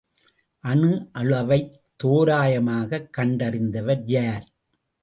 அணு அளவைத் தோராயமாகக் கண்டறிந்தவர் யார்?